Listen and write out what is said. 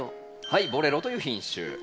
はいボレロという品種。